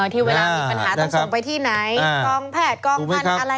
ที่เวลามีปัญหาต้องส่งไปที่ไหนกองแพทย์กองพันธุ์อะไร